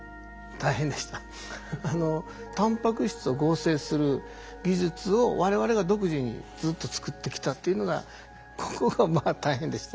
タンパク質を合成する技術を我々が独自にずっと作ってきたっていうのがここがまあ大変でした。